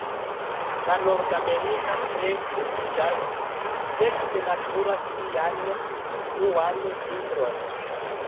La Nordamerika kreko iĝas sekse matura sian unuan vintron.